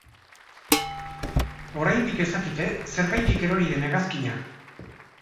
Oraindik ez dakite zergaitik erori den hegazkina.